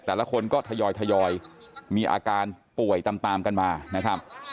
แต่ละคนก็ทยอยมีอาการป่วยตามกันมานะครับ